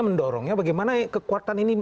mendorongnya bagaimana kekuatan ini